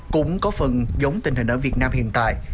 cũng có phần giống tình hình ở việt nam hiện tại